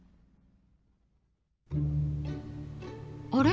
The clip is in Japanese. あれ？